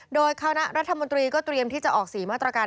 โดยคณะรัฐมนตรีก็เตรียมที่จะออก๔มาตรการ